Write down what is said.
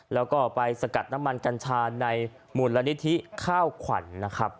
แล้วก็ไปสกัดน้ำมันกัญชาในมูลนิธิข้าวขวัญนะครับ